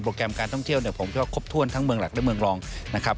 แกรมการท่องเที่ยวเนี่ยผมคิดว่าครบถ้วนทั้งเมืองหลักและเมืองรองนะครับ